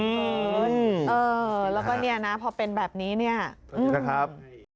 เออแล้วก็เนี่ยนะพอเป็นแบบนี้เนี่ยนะครับ